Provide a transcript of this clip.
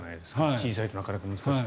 小さいとなかなか難しい。